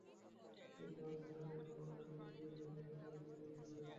কিন্তু আমি ভোটারদের ভালোবাসা নিয়ে বিজয়ী হতে চাই, টাকার বিনিময়ে নয়।